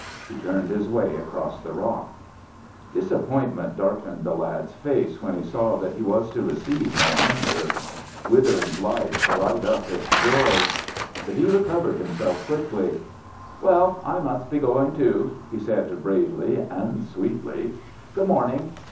He turned his way across the rock. Disappointment darkened the lad's face when he saw that he was to receive no answer; withering blight dried up its joy. But he recovered himself quickly. "Well, I must be going, too," he said bravely and sweetly. "Good morning."